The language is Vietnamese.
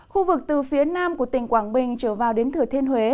khu vực từ phía nam của tỉnh quảng bình trở vào đến thừa thiên huế